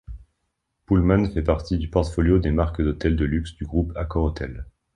Pullman fait partie du portfolio de marques d’hôtels de luxe du groupe AccorHotels.